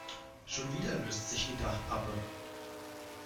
Schon wieder löst sich die Dachpappe.